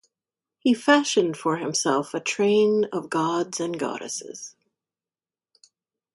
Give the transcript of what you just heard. He fashioned for himself a train of gods and goddesses.